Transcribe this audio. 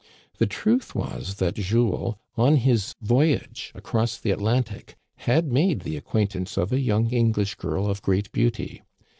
The truth was that Jules, on his voyage across the Atlantic, had made the acquaintance of a young English girl of great beauty.